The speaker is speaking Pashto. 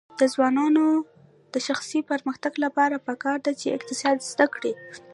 د ځوانانو د شخصي پرمختګ لپاره پکار ده چې اقتصاد زده کړي.